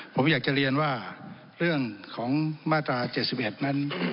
ผมอยากจะเรียนว่าเรื่องของมาตรา๗๑นั้น